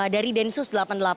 dari densus delapan puluh delapan